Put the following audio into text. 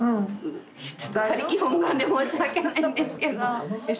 ちょっと他力本願で申し訳ないんですけど。